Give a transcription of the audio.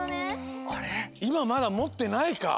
いままだもってないか。ですね。